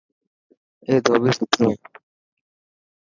اي ڌوٻي سٺو هي.